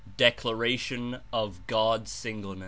(h 99') DECLARATION OF GOD'S STNGLENE.